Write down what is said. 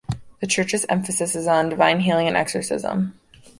The Church's emphasis is on divine healing and exorcism.